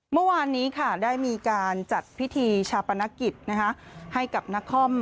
เมื่อวานนี้ค่ะได้มีการจัดพิธีชาปนกิจให้กับนคร